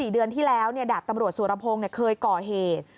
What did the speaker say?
๔เดือนที่แล้วดาบตำรวจสุรพงศ์เคยก่อเหตุ